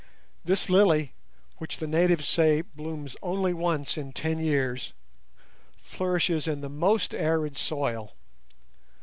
This lily, which the natives say blooms only once in ten years, flourishes in the most arid soil.